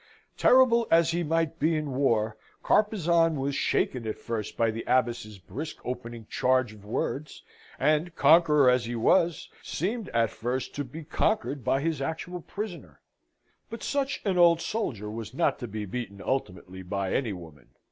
Terrible as he might be in war, Carpezan was shaken at first by the Abbess's brisk opening charge of words; and, conqueror as he was, seemed at first to be conquered by his actual prisoner. But such an old soldier was not to be beaten ultimately by any woman.